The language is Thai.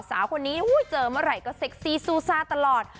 สาวคนนี้เจอเมื่อไหร่ก็เซ็กซี่ซูซ่าตลอด